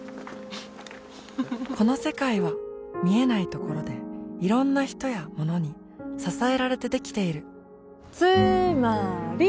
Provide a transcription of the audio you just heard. この世界は見えないところでいろんな人やものに支えられてできているつーまーり！